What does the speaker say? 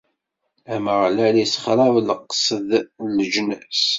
Ameɣlal issexṛab leqsed n leǧnas.